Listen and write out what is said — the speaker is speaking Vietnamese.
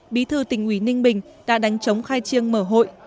bí thư tỉnh ủy ninh bình đã đánh chống khai chiêng mở hội